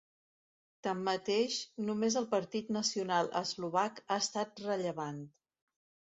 Tanmateix, només el Partit Nacional Eslovac ha estat rellevant.